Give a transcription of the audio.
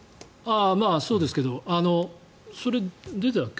そうですけどそれ、出たっけ？